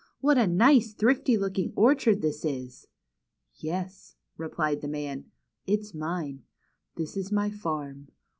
" What a nice, thrifty looking orchard this is." "Yes," replied the man; "it's mine. This is my farm.